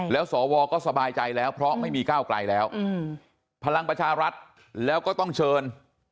แล้วสวก็สบายใจแล้วเพราะไม่มีก้าวไกลแล้วพลังประชารัฐแล้วก็ต้องเชิญ